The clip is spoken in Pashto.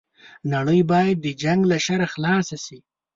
نړۍ بايد د جنګ له شره خلاصه شي